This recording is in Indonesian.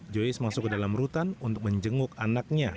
joyce masuk ke dalam rutan untuk menjenguk anaknya